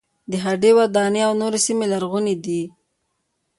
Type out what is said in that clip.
د هډې وداني او نورې سیمې لرغونې دي.